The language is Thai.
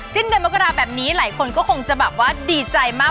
สิ้นเดือนมกราแบบนี้หลายคนก็คงจะแบบว่าดีใจมาก